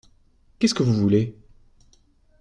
Qu’est-ce que vous voulez ?